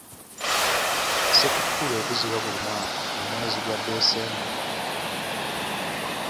Ssekukkulu ekuzibwa buli mwaka mu mwezi gwa December.